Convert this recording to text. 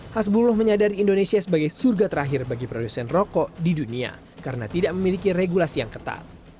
hasbullah menyadari indonesia sebagai surga terakhir bagi produsen rokok di dunia karena tidak memiliki regulasi yang ketat